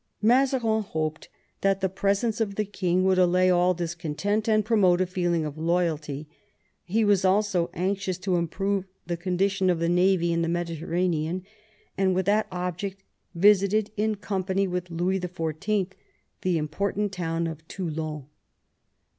Mazarin hoped that the presence of the king would allay all discontent and promote a feeling of loyalty ; he was also anxious to improve the condition of the navy in the Mediterranean, and with that object visited in company with Louis XIV. the important town of Toulon.